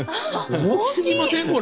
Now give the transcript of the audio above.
大きすぎませんこれ？